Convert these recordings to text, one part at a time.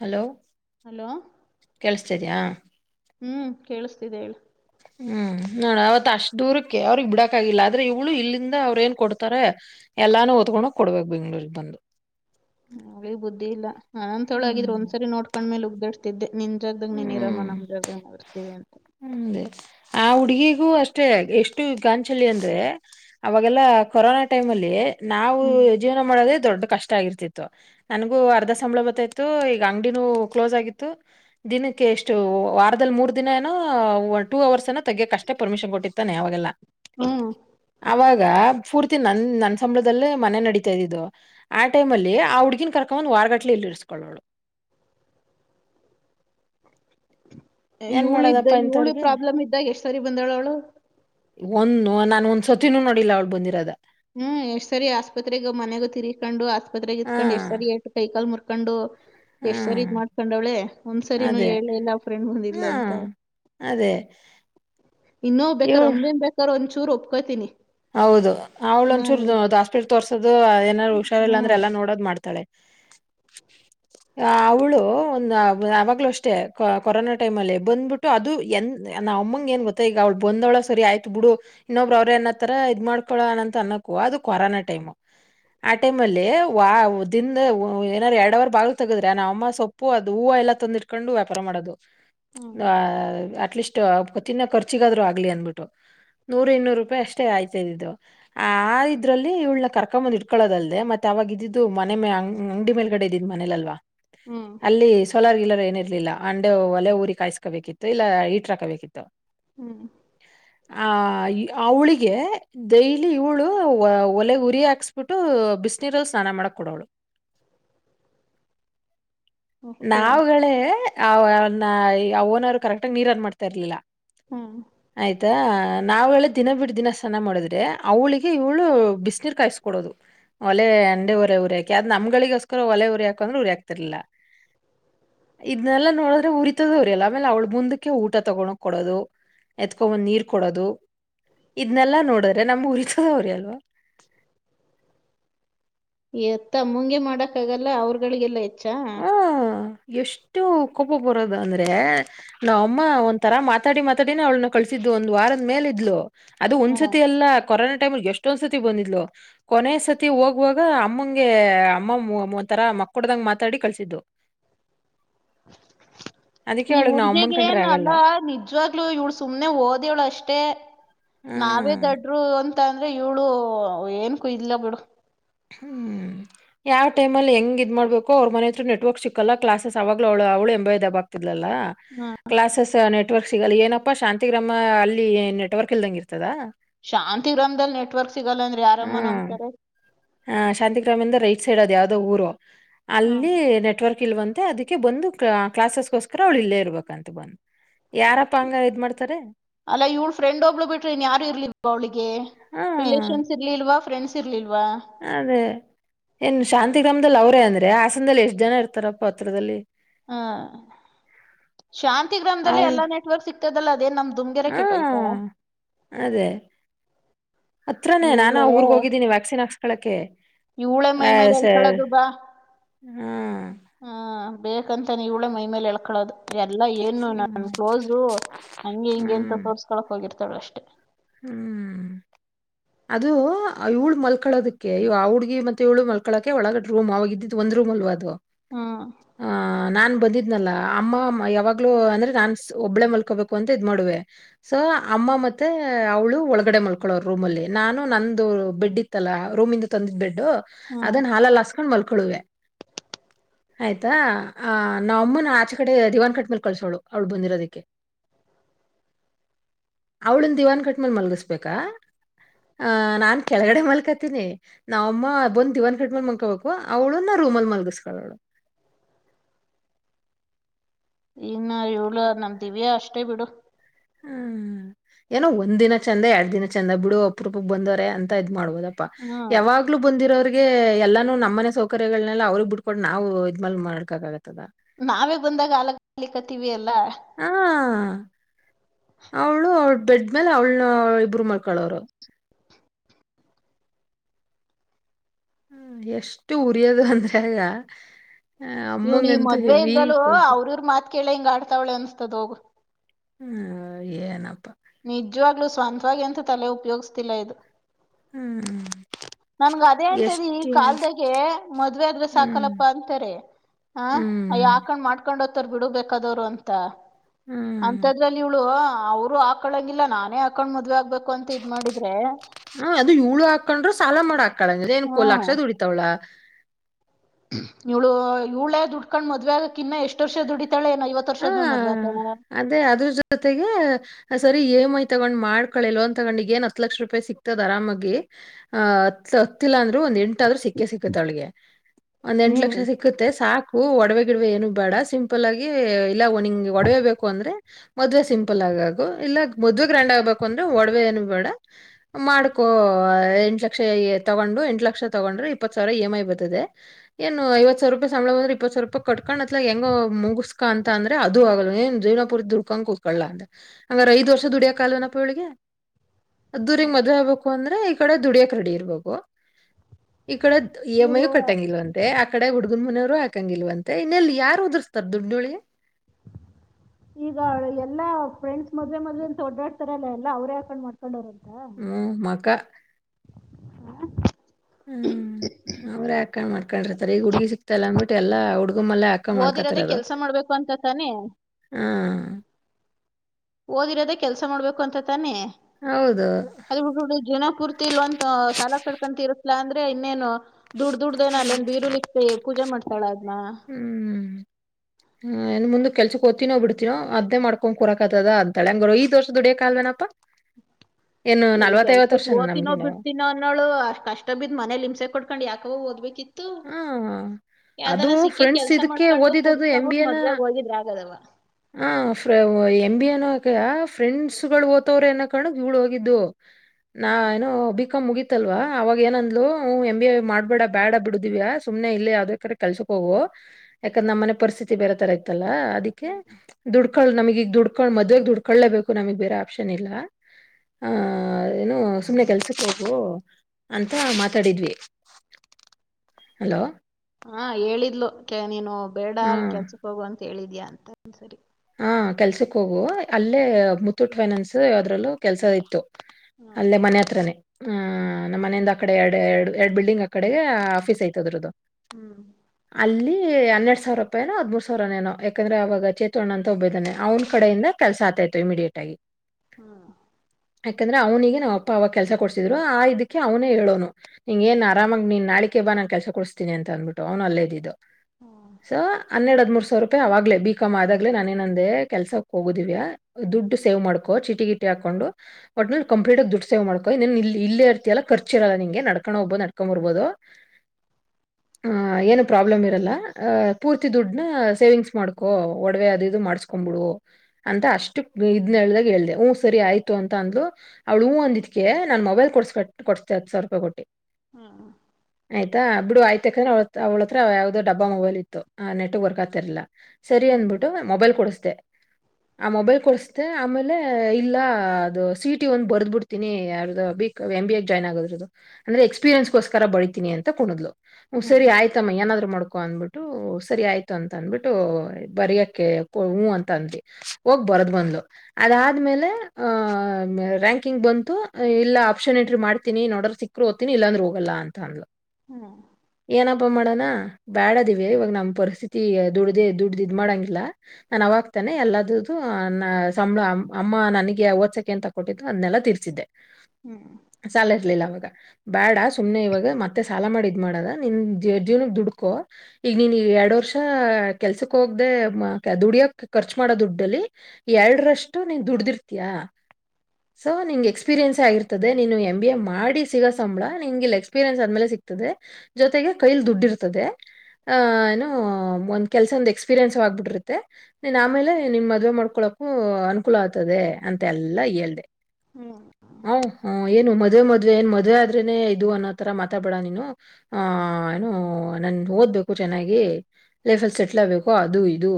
Hello hello ಕೇಳಿಸ್ತಿದ್ಯಾ ಹ್ಮ್ ಕೇಳಿಸ್ತಿದೆ ಹೇಳಿ ಹ್ಮ್ ನೋಡ ಅವತ್ ಅಷ್ಟ್ ದೂರಕ್ಕೆ ಅವ್ರಿಗೆಗ್ ಬಿಡಕ್ ಆಾಗಿಲ್ಲ ಆದ್ರೆ ಇವ್ಳು ಇಲ್ಲಿಂದ ಅವರು ಏನ್ ಕೊಡ್ತಾರೆ ಎಲ್ಲಾನೂ ಒದಕೊಂಡ ಕೊಡ್ಬೇಕಕ್ ಬೆಂಗ್ಳೂರ್ಗ್ ಬಂದು ಅವ್ಳಿಗೆ ಬುದ್ಧಿ ಇಲ್ಲ ನಾನಂತೂ ಒಳ ಆಗಿದ್ೆ ಹ್ಮ್ ಒಂದ್ಸರಿ ನೋಡ್ಕೊಂಡ್ಮೇಲೆಗ್್ದ ಗಡ್ತಿದ್ದೆ ನಿನ್ ಜರ್ದಾಗ ನ ನೀನ್ ಇರಾಮ ನಮ್ಮ ಜ ಮಾಡತೇವೆ ಅಂತ ಹ್ಮದೆ ಆ ಹುಡ್ಗಿಗೂ ಅಷ್ಟೇ ಎಷ್ಟು ಗಾಂಚಲಿ ಅಂದ್ರೆ ಅವಾಗೆಲ್ಲ ಕೊರೋನಾ ಟೈಮ್ ಅಲ್ಲಿ ನಾವು ಹ್ಮ್ ಜೀವನ ಮಾಡೋದ ದೊ ಕಷ್ಟ ಆಗಿರ್ತಿ ನನಗು ಅರ್ಧ ಸಂಬಳ ಬತ್ತ ಇತ್ತು ಈ ಅಂಗಡಿನ ಕ್ಲೋಸ್ ಆಗಿತ್ತು ದಿನಕ್ಕೆ ಎಷ್ಟು ವಾರದಲ್ಲಿ ಮೂರ್ ದಿನ ಟೂ ಅವರ್ಸ್ನ ತೆಗೋಕ್ ಅಷ್ಟೇ ಪರ್ಮಿಷನ್ ಕೊಟ್ಟಿತ್ತಾನೆ ಅವಾಗಲ್ಲಾ ಹ್ಮ ಅವಾಗ ಪೂರ್ತಿ ನನ್ ನನ್ ಸಂಬಳದಲ್ಲಿ ಮನೆ ನಡೀತಾ ಇದಿದ್ದು ಆ ಟೈಮ್ ಅಲ್ಲಿ ಆ ಹುಡ್ಗಿನ್ ಕರ್ಕೊಂಡಂದ್ ವಾರಗಟ್ಲೆ ಇಲ್ಲಿ ಇರ್ಸ್ಕೊಳ್ಳೋಳು ಏನ್ ಇವಳ ಇದ್ದ ಮಾಡದಪ್ಪಾ ಇವಳು ಇಂಥವ್ರಿಗೆ ಪ್ರಾಬ್ಲಮ್ ಇದ್ದ ಎಷ್ಟ್ ಸರಿ ಬಂದಾಳ ಅವಳು ಒಂದು ನಾನನ್ ಒಂದ್ ಸತಿನೂ ನೋಡಿಲ್ಲ ಅವಳ ಬಂದಿರದ ಹ್ಮ್ ಎಷ್ಟ್ ಸರಿ ಆಸ್ಪತ್ರೆಗ ಮನೆಗೂ ತಿರಿಕು ಆಸ್ಪತ್ರೆಗ್ ಹಾ ಇತ್ಕೊಂಡ್ ಎಷ್ಟ್ ಸರಿ ಕೈ ಕಾಲ್ ಮುರ್ ಕಂಡು ಹಾ ಎಷ್ಟ್ ಸರಿ ಇದ್ ಮಾಡ್ಕೊಂಡವ್ಳೆ ಒಂದ್ಸರಿನನು ಅದೇ ಹೇಳೇ ಇಲ್ಲ ಫ್ರೆಂಡ್ ಬಂದಲು ಹಾ ಅಂತ ಅದೇ ಇನ್ನೊ ಬೇಕಾರ ಇವ್ ಒಮ್ಮೇನ್ ಬೇಕಾರ ಒಂದ ಚೂ ರ ಒಪ್ಕೊತೀನಿ ಹೌದು ಅವ್ಳು ಒಂದ್ಚೂರು ಹಾಸ್ಪಿಟ್ಲ್ ತೋರ್ಸೋದು ಏನಾರರು ಹುಷಾರಿಲ್ಲ ಅಂದ್ರ ಹ್ಮ್ ಎಲ್ಲಾ ನೋಡೋದ ಮಾಡತಾಳೆ ಅ ಅವಳು ಒಂದ ಅವಾಗ್ಲೂ ಅಷ್ಟೇ ಕೊರೋನಾ ಟೈಮ್ ಅಲ್ಲಿ ಬಂದ್ಬಿಟ್ಟು ಅದು ಎನ್ ನಾ ಅಮ್ಮಂಗ ಏನ್ ಗೊತ್ತ ಈಗ ಅವ್ಳು ಬಂದವಳ ಸರಿ ಆಯ್ತು ಬಿಡು ಇನ್ನೊಬ್ರ ಅವ್ರೇನ ಆ ತರ ಇದ್ ಮಾಡ್ಕೊಳ ಅನ್ನಂತ ಅನ್ನಕುವ ಅದು ಕೊರೋನಾ ಟೈಮ್ ಆ ಟೈಮ ಅಲ್ಲಿ ವ ದಿನ ಏನಾರ್ ಎರಡ್ ಅವರ್ ಬಾಗಲು ತೆಗದ್ರೆ ನ ಅಮ್ಮ ಸೊಪ್ಪು ಅದು ಹೂ ಎಲ್ಲಾ ತಂದ್ ಇಟ್ಕೊಂಡು ವ್ಯಾಪಾರ ಮಾಡೋದು ಹ್ಮ್ ಆ ಅಟ್ ಲೀಸ್ಟ್ನ್ನ ಖರ್ಚಗಾದ್ರರು ಆಗ್ಲಿ ಅಂದ್ಬಿಟ್ಟು ನೂರು ಇನ್ನೂರು ರೂಪಾಯಿ ಅಷ್ಟು ಅಷ್ಟೇ ಆಯ್ತ ಇದಿದ್ದು ಆ ಇದ್ರಲ್ಲಿ ಇಳನ ಕರ್ಕೊ ಮುಂದ್ ಇಟ್ಕೊಳ್ಳೋದ ಅಲ್ಲದೆ ಮತ್ತೆ ಅವಾಗ ಇದಿದ್ದು ಮನೆ ಮಂಗ್ ಅಂಗಡಿ ಮೇಲ್ಗಡೆ ಇದಿದ್ ಮನೇಲಲ್ವಾ ಹ್ಮ್ ಅಲ್ಲಿ ಸೋಲಾರ್ ಗಿಿಲ್ಲರ್ ಏನಿರ್ಲಿಲ್ಲ ಅಂಡೆ ಒಲೆ ಊರಿ ಕಾಯಸ್ಕೋಬೇಕಿತ್ತು ಇಲ್ಲ ಈಟ್ರ್ ಹಕಬೇಕಿತ್ತು ಹ್ಮ್ ಆ ಅವಳಿಗೆ ಗೆ ಡೈಲಿ ಇವಳು ಒಲೆ ಉರಿ ಹಾಕ್ಸ್ಬಿಟ್ಟು ಬಿಸಿನೀರಲ್ಲಿ ಸ್ನಾನ ಮಾಡಕ್ ಕೊಡವಳು ಹ್ಮ್ ನಾವು್ಗಳೇ ಆ ಆ ಓನರ್ ಕರೆಕ್ಟಗ ನೀರ್ನ್ ಮಾಡ್ತಾ ಇರ್ಲಿಲ್ಲ ಹ್ಮ ನಾವ್ ಹೇಳೆ ದಿನ ಬಿಡ್ ದಿನ ಸ್ನ ಮಾಡಿದ್ರೆ ಅವ್ಳಿಗೆ ಇವ್ಳು ಬಿಸಿನೀರ್ ಕಾಯಸ್ಕ ಕೊಡೋದು ಒಲೆ ಅಂಡೆ ಒರೆ ಉರಿಯಾಕಿ ಅದ್ ನಮ್ಗಳಿಗೋಸ್ಕರ ಒಲೆ ಉರಿ ಹಾಕ ಅ್ರೆ ಉರಿಯಾಕ್ತಿರ್ಲಿಲ್ಲ ಇದ್ನೆಲ್ಲ ನೋಡಿದ್ರೆ ಉರಿತದವ್ರ ಅಲ್ಲ ಆಮೇಲೆ ಅವ್ಳ ಮುಂದಕ್ಕೆ ಊಟ ತಗೋ ಕೊಡೋದು ಎತ್ಕೊಬಂದ್ ನೀರ್ ಕೊಡೋದು ಇದ್ನೆಲ್ಲಾ ನೋಡಿದ್ರೆ ನಮ್ ಉುರಿತದ ಉರಿಯಲವ ಎತ್ತ ಮುಂಂಗಗೆ ಮಾಡಕ ಆಗಲ್ಲ ಅವ್ರಗಳಿಗೆಲ್ಲ ಎತ್ತು ಅ ಚಾ ಅಷ್ಟು ಕೊಪ ಬರೋದ ಅಂದ್ರೆ ನಾವ ಅಮ್ಮ ಒಂದ್ ತರಾ ಮಾತಾಡಿ ಮಾತಾಡಿನ ಅವ್ಳನ್ನ ಕಳಸಿದ್ದು ಒಂದ್ ವಾರದ ಮೇಲೆ ಇದ್ಲು ಅದು ಹ್ಮ ಒಂದ್ಸತಿ ಎಲ್ಲ ಕೊರ ಟೈಮಗೆ ಎಷ್ಟೊಂದ್ ಸತಿ ಬಂದಿದ್ಲು ಕೊನೆ ಸತಿ ಹೋಗುವಾಗ ಅಮ್ಮಂಗೆ ಅಮ್ಮ ಒಂತರ ಮಕ್ಕಡ್ದಂಗ ಮಾ ತಡೆ ಕಲಿಸಿದ್ದು ಈ ನಾವ್ ಹುಡ್ಗಗ ಅಮ್ಮನ್ ಕಂಡ್ರೆ ಏನ್ ಅಲ್ಲ ಆಗಲ್ಲ ನಿಜ್ವಾಗ್ಲುೂ ಇವ್ಳು ಸುಮ್ನೆ ಓದವ್ಳು ಅಷ್ಟೇ ನಾವೇ ಹ್ಮ್ ದೊಡ್ರು ಅಂತ ಅಂದ್ರೆ ಇವಳು ಏನ್ಕೂ ಇಲ್ಲ ಬಿಡು ಹ್ಮ್ ಯಾವ್ ಟೈಮಲ್ಲಿ ಹೆಂಗ್ ಇದ್ ಮಾಡ್ಬೇಕು ಅವ್ರ ಮನೆಹ ಹತ್ರ ನೆಟ್ವರ್ಕ್ ಸಿಕ್ಕಲ್ಲ ಕ್ಲಾಸಸ್ ಅವಾಗಲ ಅವಳು ಅವಳು ಎಂಬ ದಬ್ಬ ಆಗ್ತದೆ ಹ ಹ್ಮ್ ಕ್ಲಾಸೆಸ್ ನೆಟ್ವರ್ಕ್ ಸಿಗಲ್ಲ ಏನಪ್ಪಾ ಶಾಂತಿಗ್ರಾಮ ಅಲ್ಲಿ ನೆಟ್ವರ್ಕ್ ಇಲ್ದಂಗ ಇರ್ತದ ಶಾಂತಿ ಗ್ರಾಮದಲ್ ನೆಟ್ವರ್ಕ್ ಸಿಗಲ್ಲನ್ರಿ ಆರಾಮ ನಮ್ತಾರ ಶಾಂತಿಗ್ರಾಮದಿಂದ ರೈಟ್ ಸೈಡ್ ಅದ ಯಾವ್ದೋ ಊರು ಹ್ಮ ಅಲ್ಲಿ ನೆಟ್ವರ್ಕ್ ಕಿಲ್ವಂತೆ ಅದಕ್ಕೆ ಬಂದು ಕ್ಲಾ ಕ್ಲಾಸಸ್ಗೋಸ್ಕರ ಅವ್ಳು ಇಲ್ಲೇ ಇರ್ಬೇಕಂತ ಬಂದು ಯಾರಪ್ಪ ಹಂಗ ಇದ್ ಮಾಡ್ತಾರೆ ಅಲ್ಲ ಇವಳ ಫ್ರೆಂಡ್ ಒಬ್ಳು ಬಿಟ್ರೆ ಇನ್ ಯಾರು ಇರ್ಲಿಿಲ್ಲ ಅವಳಿಗೆ ಗೆ ಹಾ ರಿಲೇಷನ್ಸ್ ಇರ್ಲಿಲ್ವಾ ಫ್ರೆಂಡ್ಸ್ ಇರ್ಲಿಲ್ಲ ಅದೇ ಏನ್ ಶಾಂತಿ ಗ್ರಾಮದಲ್ಲಿ ಅವರು ಅಂದ್ರೆ ಹಾಸನದಲ್ಲಿ ಎಷ್ಟ್ ಜನ ಇರ್ತಾರಪ್ಪ ಹತ್ರದಲ್ಲಿ ಹ್ಮ ಶಾಂತಿ ಗ್ರಾಮದಲ್ಲಿ ಅವಳು ಎಲ್ಲಾ ನೆಟ್ವರ್ಕ್ ಸಿಗ್ತದೆ ಹಾ ಅದೇ ಹತ್ರಾನೇ ನಾನಾ ಊರ್ಗ ಹೋಗಿದ್ದೀನಿ ವ್ಯಾಕ್ಸಿನ್ ಹಾಕ್ ಕಳಕ್ಕೆ ಇವುಳೇ ಮೈ ಮೇಲೆಲ್ಕೊಳ್ಳೋದು ಬಾ ಹ್ಮ್ ಹಾ ಬೇಕಂತ ನೀವುಳ ಮೈ ಮೇಲೆ ಎಳ್ಕೊಳ್ಳೋದು ಯ ಎಲ್ಲ ಏನು ನಾ ಕ್ಲೋಸು ಹಂಗೆ ಹಿಂಗೆ ಎಂತ ಹ್ಮ್ ತೋರ್ಸ್ಕಳಕ್ ಹೋಗಿರ್ತ ತಳ ಅಷ್ಟೇ ಹ್ಮ್ ಅದು ಇವಳ ಮಲ್ಕಳೋದಕ್ಕೆ ಆ ಹುಡ್ಗಿ ಮತ್ತೆ ಇವಳ ಮಲ್ಕಳಕೆ ಒಳಗಡೆ ರೂಮ್ ಆವಾಗ ಇದಿದ್ದ ಒಂದ್ ರೂಮ್ ಅಲ್ವಾ ಅದು ಹ್ಮ್ ಹ ನಾನ್ ಬಂದಿದ್ದ ಇದ್ನಲ್ಲ ಅಮ್ಮ ಯಾವಾಗ್ಲೂ ಅಂದ್ರೆ ನಾನ್ ಒಬ್ಬಳೆ ಮಲ್ಕೋಬೇಕು ಅಂತ ಇದ್ ಮಾಡುವೆ ಸೊ ಅಮ್ಮ ಮತ್ತೆ ಅವ್ಳು ಒಳಗಡೆ ಮಲ್ಕೋ ಅವರು ರೂಮ್ ಅಲ್ಲಿ ನಾನು ನಂದು ಬೆಡ್ ಇತ್ತಲ್ಲ ರೂಮ್ ಇಂದ ತಂದಿದ್ದ ಬೆಡ್ ಹ್ಮ್ ಅದನ್ನ ಹಾಲಲ್ಲಿ ಹಾಸ್ಕೊಂಡ್ ಮಲ್ಕೊಳ್ಳುವೆ ಆಯ್ತಾ ಆ ನಮ್ಮ ಅಮ್ಮನ ಆಚೆ ಕಡೆ ದಿವಾನ್ ಕಾಟ್ ಮೇಲೆ ಕಳ್ಸೋಳು ಅವ್ಳ ಬಂದಿರೋದಕ್ಕೆ ಅವ್ಳು ದೀಿವನ್ [unintelligible] ಕಟ್ ಮೇಲೆ ಮಲಗಿಸ್ಬೇಕಾ ಆ ನಾನ್ ಕೆಳಗಡೆ ಮಲ್ಕೊ ಹತಿನಿ ನಮ್ಮ ಅಮ್ಮಾ ಬಂದ ದಿವಾನ್ ಕಾಟ್ ಮೇಲೆ ಮಲ್ಕೋಬೇಕು ಅವ್ಳುನ ರೂಮಲ್ ಮಲ್ಗಿಸಸ್ಕಳವಳು ಇನ್ ಇವಳು ನಮ್ ದಿವ್ಯಾ ಅಷ್ಟೇ ಬಿಡು ಹ್ಮ್ ಏನೋ ಒಂದ್ ದಿನ ಚಂದ ಎರಡ್ ದಿನ ಚಂದ ಬಿಡು ಅಪ್ರೊಪ ಬಂದವರೆ ಅಂತ ಇದ್ ಮಾಡ್ಬೋದ ಹ್ಮ್ ಯಾವಾಗ್ಲೂ ಬಂದಿರೋಿಗೆ ಗೆ ಎಲ್ಲಾನು ನಮ್ಮ ಮನೆ ಸೌಕರ್ಯಗಳನೆಲ್ಲ ಅವ್ರಗ್ ಬಿಡ್ಕೊಂಡು ನಾವು ಇದ್ಮೇಲ್ ಮಾಡ್ಕಕ್ ಆಗತ್ತದ ನಾವೇ ಬಂದಾಗಲ ಹಾಲ್ ಕಲಿ ಕತ್ತೀವಿಲ್ಲ ಇಲ್ಲ ಹ ಅವಳು ಅವಳ ಬೆಡ್ ಮೇಲೆ ಅವಳನ ಇಬ್ರು ಮಲ್ಕೋ ರವರು ಹ್ಮ ಎಷ್ಟು ಉರಿಯೋದ ಅಂದ್ರೆಯ ಇವ್ಳ ಇ ಮದ್ವೆ ಇ್ದಲ್ ಅವ್ರ ಇವ್ರ ಮಾತ್ ಕೆಳ ಹಿಂಗ ಆಡ್ತಾವಳೆ ಅನ್ಸ್ತದ ಹೋಗು ಹ್ಮ್ ಏನಪ್ಪಾ ನಿಜವಾಗ್ಲೂ ಸ್ವಂತವಾಗಿ ಅಂತ ತಲೆ ಉಪಯೋಗಿಸ್ತಿಲ್ಲ ಇದು ಹ್ಮ್ ನನ್ಗ ಅದೇ ಎಷ್ಟ ಅತದೆ ಈ ಕಾಲ್ದಾಗೆ ಮದ್ವೆ ಆದ್ರ ಹ್ಮ್ ಸಾಕಲ್ಲಪ್ಪ ಅಂತಾರೆ ಹ ಹ್ಮ್ ಯಾಕಂಡ್ ಮಾಡ್ಕೊಂಡ ಬಿಡು ಬೇಕದವ್ರು ಅಂತ ಹ್ಮ್ ಅಂತದ್ರಲ್ಲಿ ಇವಳು ಅವರು ಆಾಳಂಗಿಲ್ಲ ನಾನೇ ಹಕೊಂಡ್ ಮದ್ವೆ ಆಗ್ಬೇಕು ಅಂತ ಇದ್ ಮಾಡಿದ್ರೆ ಹಾ ಅದು ಇವಳು ಹಾಕೊಂಡ್ರೆ ಸಾಲ ಮಾಡ ಕಳ ಏನ್ ಕೊ ಲಕ್ಷ ದುಡಿತವಳ ಇವಳು ಇವಳೇ ದುಡ್ಕೊಂಡ್ ಮದ್ವೆಗಕಿನ್ನ ಎಷ್ಟು ವರ್ಷ ದುಡಿ ಹಾ ಅದೇ ಅದ್ರ್ ಜೊತೆಗೆ ಸರಿ ಇಎಂಐ ತಗೊಂಡ್ ಮಾಡ್ಕೊಳ್ಳಿ ಲೋನ್ ತಗೊಂಡ್ ಈಗೇನ್ ಹತ್ ಲಕ್ಷ ರೂಪಾಯಿ ಸಿಗ್ತದೆ ಆರಾಮಾಗಿ ಆ ಹತ್ ಹತ್ತಿಲ್ಲ ಅಂ ಅದು ಒಂದ್ ಎಂಟಾದ್ರೂ ಸಿಕ್ಕೇ ಸಿಕ್ಕುತ್ತೆ ಅವ್ಳಿಗೆ ಒಂದ್ ಎಂಟ್ ಹ್ಮ್ ಲಕ್ಷ ಸಿಕ್ಕುತ್ತೆ ಸಾಕು ಒಡವೆ ಡುವೆ ಏನು ಬ್ಯಾಡ ಸಿಂಪಲ್ಲಾಗಿ ಏ ಇಲ್ಲಾವು ನಿಂಗ ಒಡವೆೇಬೇಕು ಅಂದ್ರೆ ಮದ್ವೆ ಸಿಂಪಲ್ ಆಗಿ ಆಗು ಇಲ್ಲಾ ಮದ್ವೆ ಗ್ರ್ಯಾಂಡ್ ಆಗ್ಬೇಕು ಅಂದ್ರೆ ಒಡವೆ ಏನು ಬೇಡ ಮಾಡ್ಕೊ ಎಂಟ್ ಲಕ್ಷ ತಗೊಂಡು ಎಂಟ್ ಲಕ್ಷ ತಗೊಂಡ್ರೆ ಇಪ್ಪತ್ ಸಾವಿರ ಇ ಎಮ್ ಐ ಬರ್ತದೆ ಇನ್ನು ಐವತ್ ಸಾವ್ರ ರೂಪಾಯ್ ಸಂಬಳ ಬಂದ್ರೆ ಇಪ್ಪತ್ ಸಾವಿರ ರೂಪಾಯಿ ಕಟ್ಕೊಂಡ್ ಅತ್ಲ ಹೆಂಗೋ ಮುಗಸ್ ಕಾ ಅಂತ ಅಂದ್ರೆ ಅದು ಆಗಲ್ಲ ಏನ್ ಜೀವನಪುರ್ತಿ ದುಡ್ಕೊಂಡು ಕೂತ್ಕೊಳ್ಳ ಅಂದ್ರ ಹಂಗಾರ್ ಐದ್ವರ್ಷ ದುಡಿಯಕ್ಕಾಲ್ವೇನಪ್ಪ ಇವ್ಳಿಗೆ. ಅದ್ದೂರಿಗ್ ಮದ್ವೆ ಆಗ್ಬೇಕು ಅಂದ್ರೆ ಈ ಕಡೆಗ್ ದುಡಿಯಕ್ ರೆಡಿ ಇರ್ಬೇಕು. ಈ ಕಡೆ ಇಎಂಐ ಇವ್ಳು ಯು ಕಟ್ಟಂಗಿಲ್ವಂತೆ ಆ ಕಡೆ ಹುಡುಗ್ ಗುನ್ ಮನೆಯವ್ರು ಹಾಕಂಗಿಲ್ವಂತೆ ಇನ್ನಲ್ಲಿ ಯಾರು ಉದುರಿಸ್ತಾರೆ ದುಡ್ಡು ಇವ್ಳಿಗೆ. ಈಗ ಎಲ್ಲ ಫ್ರೆಂಡ್ಸ್ ಮದುವೆ ಮದ್ವೆ ಅಂತ ಅಡ್ಡಾಡ್ತಾರಲ್ಲ ಎಲ್ಲ ಅವ್ರೇ ಹಾಕೊಂಡ್ ಮಾಡ್ಕೊಂಡವ್ರ. ಹ್ಮ್ ಮಕಾ. [inaudible] ಹ್ಮ್ ಅವ್ರೆ ಹಾಕಣ್ ಮಾಡ್ ಕರ್ತಾರೆ ಈ ಹುಡುಗಿ ಸಿಗ್ತಯಿಲ್ಲ ಅಂದ್ ಬಿಟ್ಟು ಎಲ್ಲ ಹು ಮ್ಮಲ್ಲೆ ಹಾಕೊಂಡ ಓದಿರೋದೇ ಮಾಡ್ಕತಿರದು ಕೆಲ್ಸ ಮಾಡ್ಬೇಕು ಅಂತ ತಾನೇ ಹ್ಮ. ಓದಿರೋದೇ ಕೆಲ್ಸ ಮಾಡ್ಬೇಕು ಅಂತ ತಾನೆ. ಹೌದು ಅದ ಬಿಟ್ಬಿಟ್ಟು ಜೀವ್ನ ಪೂರ್ತಿ ಇಲ್ವಂತ ಸಾಲ ಕಡ್ಕೊಂತ ತೀರುಸ್ಲಾ ಅಂದ್ರ ಇನ್ನೇನು ದುಡ್ ದುಡ್ದೇನು ಅಲ್ಲೇನ್ ಬೀರುಲಿ ಇಟ್ಟಿ ಪೂಜೆ ಮಾಡ್ತಾಳ ಅದ್ನ. ಹ್ಮ್ ಕೊತಿನೋ ಬಿಡ್ತಿನೋ ಅದ್ನೇ ಮಾಡ್ಕೊಂಡ್ ಕುರಕ್ಕಾಯ್ತದ ಅಂತಾಳೆ ಹಂಗಾರೆ ಐದು ವರ್ಷ ದುಡಿಯಕಾಗಲ್ವೇನಪ್ಪಾ. ಇವ್ಳು ಕೆಲ್ಸಕ್ ಹೋತೀನೋ ಬಿಡ್ತೀನೋ ಅನ್ನೋಳು ಅಷ್ಟ್ ಕಷ್ಟ ಬಿದ್ ಮನೇಲಿ ಹಿಂಸೆ ಕೊಡ್ಕೊಂಡ್ ಯಾಕ್ ಕವ್ ಓದ್ಬೇಕಿತ್ತ್ ತ್ತು ಹ್ಮ್ ಅದು ಯಾವ್ದನ ಸಿಕ್ಕಿದ್ ಫ್ರೆಂಡ್ಸ್ ಕೆಲ್ಸ ಇದಕ್ಕೆ ಮಾಡ್ಕೊಂಡು ಓದಿದದು ಕೂಡಿಕಬಿಟ್ಟು ಮದ್ವೆೇ ಹೋಗಿದ್ರೆ ಆಗದವ. ಹ ಎಂ ಬಿ ಎ ಅನೋ ಅಕಯ ಫ್ರೆಂಡ್ಸ್ ಗಳು ಓತವ್ರೆ ಅನ ಕಾರಣಕ್ ಇವ್ಳು ಹೋಗಿದ್ದು. ನಾ ಏನೋ ಬಿಕಾಂ ಮುಗಿ ತ್ತಲ್ವ ಅವಾಗ ಏನಂದ್ಲು ಹುಂ ಎಮ್ ಬಿ ಎ ಮಾಡ್ಬೇಡ ಬ್ಯಾಡ ಬಿಡು ದಿವ್ಯಾ ಸುಮ್ನೆ ಇಲ್ಲಿ ಯಾವ್ದ ಯಕ್ರೆ ಕೆಲ್ಸಕ್ ಹೋಗು ಯಾಕಂದ್ರೆ ನಮ್ಮನೆ ಪರಿಸ್ಥಿತಿ ಬೇರೆ ತರ ಇತ್ತಲ್ಲಾ ಅದಕ್ಕೆ ದುಡ್ಕೊಳ್ಳು ನಮಗೀಗ್ ದುಡ್ಕಂಡ್ ಮದ್ವೆೆಗೆ ದುಡ್ಕೊಳ್ಳಲೇಬೇಕು ನಮಗ್ ಬೇರೆ ಆಪ್ಷನ್ ಇಲ್ಲ ಏನು ಸುಮ್ನೆ ಕೆಲ್ಸಕ್ಕೆ ಹೋಗು ಅಂತ ಮಾತಾಡಿದ್ವಿ ಹಲೋ ಹಾ ಹೇಳಿದ್ಲು ಕೆ ನೀನು ಬೇಡ ಹಾ ಕೆಲ್ಸಕ್ ಹೋಗುವ ಅಂತ ಹೇಳಿದ ಇದಾ ಅಂತ ಸರಿ ಹ ಕೆಲ್ಸಕ್ ಹೋಗು ಅಲ್ಲೇ ಮುತ್ತೂಟ್ ಫೈನಾನ್ಸ್ ಯದ್ರಲ್ಲೂ ಕೆಲ್ಸ ಇತ್ತು ಅಲ್ಲೇ ಹ್ಮ್ ಮನೆ ಹತ್ರನೇ ಹ ನಮ್ಮ್ ಮನೆಯಿಂದ ಆ ಕಡೆ ಎರಡು ಎರಡು ಎರಡು ಬಿಲ್ಡಿಂಗ್ ಆ ಕಡೆಗೆ ಆಫೀಸ್ ಐತದ್ರದು ಹ್ಮ್ ಅಲ್ಲಿ ಹನ್ನೆರಡು ಸಾವರ ರೂಪಾಯಏೋ ಹದ್ಮೂರ್ ಸಾವಿರನೇನೋ ಯಾಕಂದ್ರೆ ಅವಾಗ ಚ ೋ್ಣ ಅಂತ ಒಬ್ಬ್ದಾನೆ ಅವ್ನ್ ಕಡೆಯಿಂದ ಕೆಲಸ ಆಗ್ತಾಯತು ಇಮಿಡಿಯಟ್ ಆಗಿ ಹ್ಮ ಯಾಕಂದ್ರೆ ಅವನಿಗೆ ನಾವ ಅಪ್ಪ ಅವಾಗ ಕೆಲಸ ಕೊಡ್ಸಿದ್ರು ಆ ಇದಕ್ಕೆ ಅವ್ನ ಹೇಳೋನುಂಗ ಏನ್ ಆರಾಮಾಗಿ ನ ನಿನ್ ನಾಳಿಕೆ ಬಾಾನನ್ ಕೆಲಸ ಕೊಡಿಸ್ತೀನಿ ಅಂದಬಿಟ್ಟು ಅವ್ನು ಅಲ್ಲೇದಿದ್ದು ಸೊ ಹನ್ನೆಡ್ದ ಮೂರು ಸಾವಿ ರೂಪಾಯಿ ಆವಾಗ್ಲೇ ಬಿಿಕಾಮಾ ಆದಾಗ ಕೆಸ ಹೋಗಿವ ದುಡ್ ಸೇವ್ ಮಾಡ್ಕೋ ಚೀಟಿ ಗಿಟಿ ಹಾಕೊಂಡು ಒ ಕಂಪ್ೀಟ್ ದುಡ್ ಸೇವ್ ಮಾಡ್ಕೋ ಇ ಇಲ್ಲೇ ಇರ್ತಲ್ಲ ಖರ್ಚ ಇಲ್ಲ ನಡ್ೊಂಡ ಹೋಗ ನೊಂಡ್ ಬರ್ಬಹ ಏ ಪ್ರಬ್ಲಮ್ ಇರಲ್ಲ ಪೂರ್ತಿ ದುಡ್ನ ಸಾವೇಗ್ಸ್ ಮಾಡ್ಕೋ ಒಡ್ವೆ ಅದ ಇದು ಮಾಡ್ಸ್ಕೊ್ಂಬ ಬಿಡು ಅಂತ ಅಷ್ಟು ಇದ್ನ ಹೇಳ್ದಾಗ ಹೇಳ್ದೆ ಹ್ಞ ಸರಿ ಆಯ್ತು ಅಂತ ಅಂದ್ಲು ಅವಳ ಹೂ ಅಂದಿದ್ಕಕ್ಕೆ ನಾನ್ ಮೊಬೈಲ್ ಕೊಡ್ಸ್ಕಟ್ಟ ಕೊಡ್ಸ್ತತೆ ಹತ್ತು ಸಾವಿರ ರೂಪಾಯಿ ಕೊಟ್ಟಿ ಹ್ಮ್ ಆಯ್ತಾ ಬಿಡು ಆಯ್ತಕ ಅವಳ ಅವ್ಳತ್ರ ಯಾವದೋ ಡಬ್ಬಾ ಮೊಬೈಲ್ ಇತ್ತು ಆ ನೆಟ್ ವರ್ಕ್ ಆತ್ತತಿರ್ಲಿಲ್ಲ ಹ್ಮ್ ಅಂದ್ಬಿಟ್ಟ ಮೊಬಲ್ ಕೊಡಸ್ತದೆ ಆ ಮೊಬೈಲ್ ಕೊಳ್ಸತೆೆ ಆಮೇಲೆ ಇಲ್ಲ ಅದು ಸಿಟಿ ಒಂದ್ ಬರ್ದ್ ಬಿಡ್ತೀನಿ ಯಾರ್ದ B M B A join ಆಗೋದ್ರದ್ದದು ಅಂದ್ರೆ ಎಕ್ಸ್ಪೀರಿಯನ್ಸ್ಗೋಸ್ಕರ ಬಳಿತೀನಿ ಅಂತ ಕುಣದ್ಲು ಹ್ಮ್ ಸರಿ ಆಯ್ತಮ್ಮ ಏನಾದ್ರು ಮಾಡ್ಕ ಅಂದ್ಬಿಟ್ಟು ಸರಿ ಆಯ್ತು ಅಂತ ಅಂದ್ಬಿಟ್ಟು ಬರಯಕ್ಕೆ ಹ್ ಅಂತ ಅಂದಿ ಹೋಗ್ ಬರದ್ ಬಂದು ಅದಾದ್ಮೇಲೆ ಅ ರ್ಯಾಂಕಿಂಗ್ ಬಂತು ಇಲ್ಲ ಆಪ್ಷನ್ ಎಂಟ್ರಿ ಮಾಡ್ತೀನಿ ನೋಡ ಸಿ ಕ್ರೋತಿನ ಇಲ್ಲಾಂದ ಹೋಗಲ್ಲ ಅಂತ ಅಂದ್ಲ ಹ್ಮ್ ಹ್ಮ್ ಏನಪ್ಪ ಮಾಡ ಬ್ಯಾಡದಿವ ಇವಾಗ ನಮ್ಮ್ ಪರಿಸ್ಥಿತಿ ದುಡ್ದೇ ದುಡ ಇದ್ ಮಾಡಂಗಿಲ್ಲ ನಾನನ್ ಅವಾಗ್ತಾನನೆ ಎಲ್ಲದು ಸಂಳ ಅಮ್ಮ ನನಗೆ ಓದಾಸ ಕ್ಕೆ ಅಂತ ಕೊಟ್ಟಿದ್ದು ಅದ್ನೆಲ್ಲ ತೀರ್ಸಿದ್ದೆ ಚಾಲ ಇರ್ಲಿಲ್ಲ ಅವಗ್ಸ್ ಬೇಡ ಸುಮ್ನೆ ಇವಾಗ ಮತ್ತೆ ಸಾಲ ಮಾಡಿ ಇದ್ ಮಾಡದ ನಿನ್ ಜೀವನಕ್ ದುಡ್ಕೋ ಈಗ ನೀನ್ ಎರಡ್ ವರ್ಷ ಕೆಲ್ಸಕ್ ಹ ದುಡ ರ್ ಮಾಡೋ ದುಡ್ಡಲ್ಲಿ ಎರರಷ್ಟು ದುಡಿರ್ತಯ ನಿ ಎಕ್ಪನ್ ಆಗಿರ್ತದೆ ನೀ ಎ ಬಿ ಎ ಮಾಡಿ ಸಿಗ ಸಂಳ ನಿ ಇ ಎಕ್ಸ್ಪೀನ್ ಅ್ಮೇಲೆ ಸಿಗ್ತದೆ ಜೊತೆಗೆ ಕೈಲಿ ದುಡ್ ಇರ್ತದೆ ಏ ಒ್ ಕೆಸ ಎಕ್ಸ್ಪೀರಿಯನ್ಸ್ ಆಗ್ಬಿಟ್ಟಿರುತ್ತೆ ನೀನ್ ಆಮೇಲೆ ನಿಮ ಮದ್ವೆ ಮಾಡ್ಕೊಳಕ್ಕು ಅನುಕೂಲ ಆಗ್ತದೆ ಅಂತ ಎಲ್ಲಾ ಹೇಳ್ದ ಹ್ಮ್ ಹ್ಮ್ ಹ ಹಾ ಏನು ಮದುವೆ ಮದುವೆ ಏನ್ ಮದುವೇ ಆದ್ರೆನೆ ಇದು ಅನ್ನೋ ತರ ಮಾತಾಬೇಡ ನೀನು ಆ ಏನೋ ನನ್ ಓದ್ಬೇಕು ಚೆನ್ನಾಗಿ ಲೈಫ್ ಅಲ್ಲಿ ಸೆಟ್ಲ್ ಆಗ್ಬೇಕು ಅದು ಇದು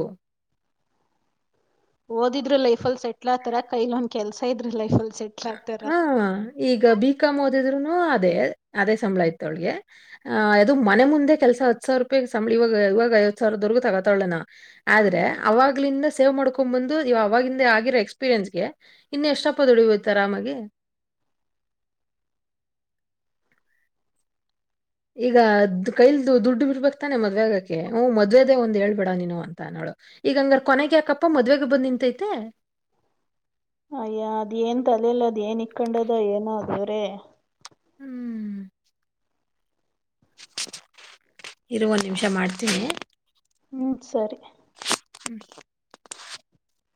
ಓದಿದ್ರರು ಲೈಫ ಅಲ್ ಸೆಟ್ಲ್ ಆತರ ಕೈಲ ಒಂದ್ ಕೆಲ್ಸ ಇದ್ರಿ ಲೈಫಲ್ ಸೆಟಲ್ ಆಗ್ತಾರ ಹಾ, ಈಗ ಬೀಿಕಾಂ ಓದಿದ್ರುನು ಅದೇ ಅದೇ ಸಂಬಳ ಆಯತೊಳಗೆ ಆಹ್ ಅದು ಮನೆ ಮುಂದೆ ಕೆಲ್ಸ ಹತ್ ಸಾವಿರ ರೂಪಾಯಿ ಸಂಬಳ ಇವಾಗ ಇವಾಗ ಐವತ್ತು ಸಾವಿರದವರೆಗೂ ತಗತಳೆ ಏನೋ ಆದ್ರೆ ಅವಾಗ್ಲಿಂದ ಸೇವ್ ಮಾಡ್ಕೊಂಡ್ ಬಂದು ಅವವಾಗಿಂದ ಆಿರೋ ಎಕ್ಸ್ಪೀರಿಯನ್ಸ್ಗೆ ಇನ್ ಎಷ್ಟಪ್ಪ ದುಡಿಯ ತರಾಮಗೆ ಈಗ್ ಕೈಲ್ದು ದುಡ್ಡು ಬಿಡ್ಬಕ್ತಾನೆ ಮದ್ವೆಗಕ್ಕೆ ಹ ಮದ್ವೆದೇ ಒಂದ್ೇಳ್ಬೇಡ ನೀನು ಅಂತ ನೋಡು ಈಗ ಹಂಗಾರ್ ಕೊನೆಗೆ ಯಾಕಪ್ಪ ಮದ್ವೆಗ ಬಂದ್ ನಿಂತೈತೆ ಅಯ್ಯ ಅದ್ ಏನ್ ತಲೆಲ್ಲ ಅದ್ ಏನ್ ಇಕ್ಕೊಂಡದ ಏನ ದೇವರೇ ಹ್ಮ್ ಇರುವ ನಿಮಿಷ ಮಾಡ್ತೀನಿ ಹ್ಮ್ ಸರಿ ಹ್ಮ್